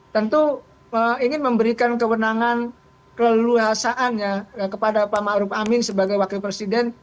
tentu ingin memberikan kewenangan keleluhasaannya kepada pak maruf amin sebagai wakil presiden